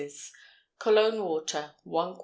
Cologne water 1 qt.